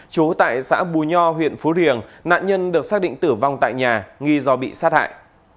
chú tại xã bù nho huyện phú riềng nạn nhân được xác định tử vong tại nhà nghi do bị sát hại